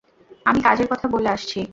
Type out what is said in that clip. আমি কাজের কথা বলে আসছি।